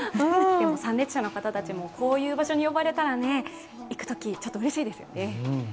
参列者の方たちも、こういう場所に呼ばれたら行くとき、ちょっとうれしいですよね。